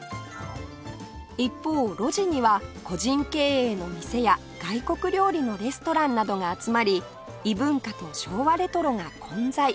一方路地には個人経営の店や外国料理のレストランなどが集まり異文化と昭和レトロが混在